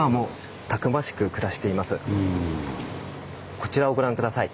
こちらをご覧下さい。